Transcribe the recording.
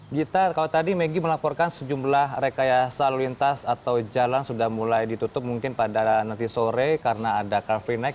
gita kalau tadi megi melaporkan sejumlah rekayasa lalu lintas atau jalan sudah mulai ditutup mungkin pada nanti sore karena ada car free night